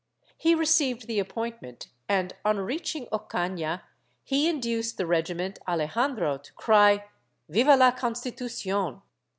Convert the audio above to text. He received the appointment and, on reaching Ocaha, he induced the regiment Alejandro to cry ''Viva la Con stitucion."